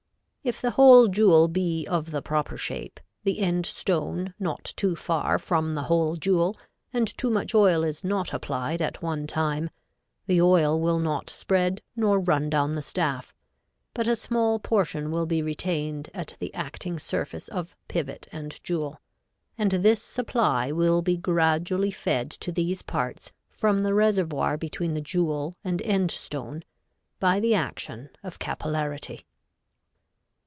If the hole jewel be of the proper shape, the end stone not too far from the hole jewel and too much oil is not applied at one time, the oil will not spread nor run down the staff, but a small portion will be retained at the acting surface of pivot and jewel, and this supply will be gradually fed to these parts from the reservoir between the jewel and end stone, by the action of capillarity.